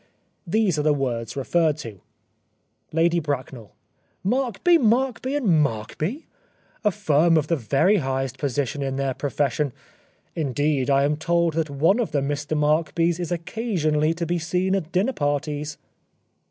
These are the words referred to :" Lady Bracknell :— Markby, Markby & Markby ? A firm of the very highest position in their profession. Indeed, I am told that one of the Mr Markbys is occasionally to be seen at dinner parties."